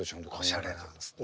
おしゃれなんですね。